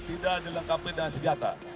tidak dilengkapi dengan senjata